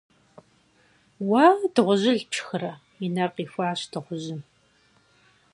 - Уэ дыгъужьыл пшхырэ? - и нэр къихуащ дыгъужьым.